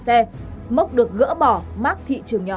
năm trăm linh xe mốc được gỡ bỏ mát thị trường nhỏ